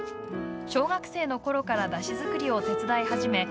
小学生の頃から山車作りを手伝い始め